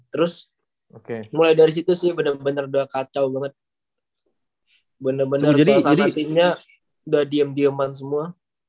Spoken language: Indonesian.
terus mulai dari situ sih bener bener udah kacau banget bener bener suasana timnya udah diem dieman semua